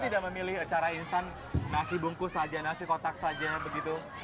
tidak memilih cara instan nasi bungkus saja nasi kotak saja begitu